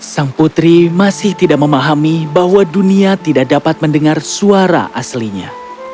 sang putri masih tidak memahami bahwa dunia tidak dapat mendengar suara aslinya